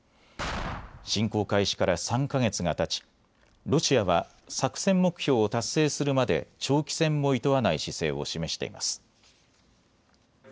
侵攻開始から３か月がたちロシアは作戦目標を達成するまで長期戦もいとわない姿勢を示しています。